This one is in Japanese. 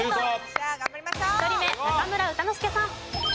１人目中村歌之助さん。